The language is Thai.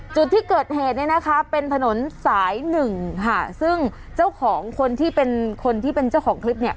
จุดที่เกิดเหตุเนี่ยนะคะเป็นถนนสายหนึ่งค่ะซึ่งเจ้าของคนที่เป็นคนที่เป็นเจ้าของคลิปเนี่ย